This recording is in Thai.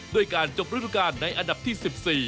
ด้วยการจบฤดูการในอันดับที่๑๔